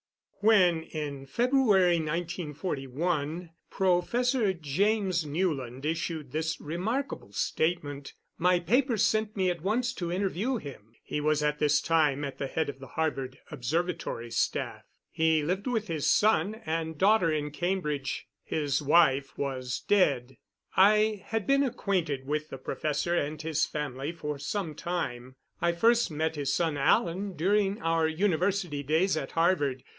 When, in February, 1941, Professor James Newland issued this remarkable statement, my paper sent me at once to interview him. He was at this time at the head of the Harvard observatory staff. He lived with his son and daughter in Cambridge. His wife was dead. I had been acquainted with the professor and his family for some time. I first met his son, Alan, during our university days at Harvard.